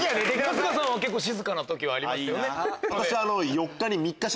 春日さんは結構静かな時ありますよね。